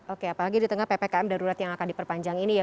oke apalagi di tengah ppkm darurat yang akan diperpanjang ini ya